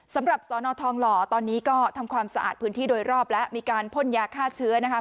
สำหรับสอนอทองหล่อตอนนี้ก็ทำความสะอาดพื้นที่โดยรอบแล้วมีการพ่นยาฆ่าเชื้อนะคะ